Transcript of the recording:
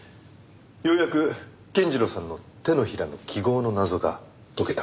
ようやく健次郎さんの手のひらの記号の謎が解けたので。